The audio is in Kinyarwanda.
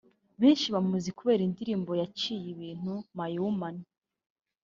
Benshi bamuzi kubera indirimbo yaciye ibintu ‘My Woman